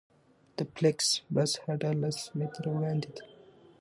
د فلېکس بس هډه لس متره وړاندې ده